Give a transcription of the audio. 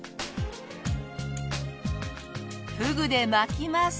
フグで巻きます。